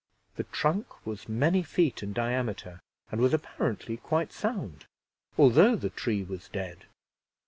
The trunk was many feet in diameter, and was apparently quite sound, although the tree was dead.